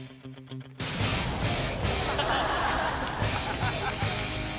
ハハハハ！